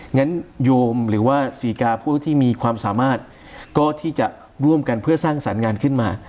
งั้นโยมหรือว่าศรีกาผู้ที่มีความสามารถก็ที่จะร่วมกันเพื่อสร้างสรรค์งานขึ้นมา